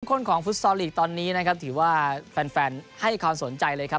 ข้นของฟุตซอลลีกตอนนี้นะครับถือว่าแฟนให้ความสนใจเลยครับ